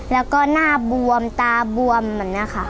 แล้วก็หน้าบวมตาบวมเหมือนน่ะค่ะ